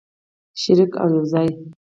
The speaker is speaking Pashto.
شریک او یوځای.